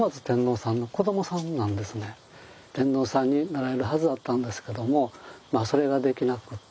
天皇さんになられるはずだったんですけどもそれができなくって